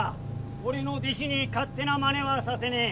俺の弟子に勝手なマネはさせねえ。